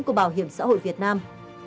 của bảo hiểm xã hội việt nam